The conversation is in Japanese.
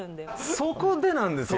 そこでなんですよ！